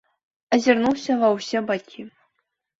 Азірнуўся ва ўсе бакі.